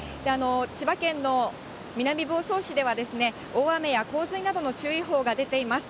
千葉県の南房総市では、大雨や洪水などの注意報が出ています。